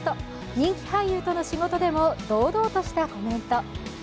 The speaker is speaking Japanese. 人気俳優との仕事でも堂々としたコメント。